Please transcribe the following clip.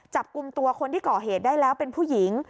จับกลุ่มตัวคนที่ก่อเหตุได้แล้วเป็นผู้หญิง